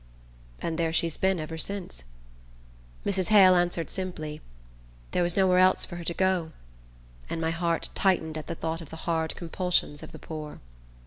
"And there she's been ever since?" Mrs. Hale answered simply: "There was nowhere else for her to go;" and my heart tightened at the thought of the hard compulsions of the poor.